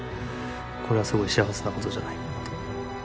これはすごい幸せなことじゃないかなと。